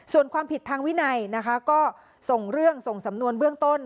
ส่วนความผิดทางวินัยนะคะก็ส่งเรื่องส่งสำนวนเบื้องต้น